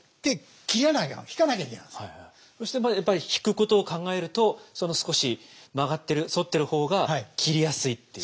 やっぱりひくことを考えると少し曲がってる反ってる方が切りやすいっていう？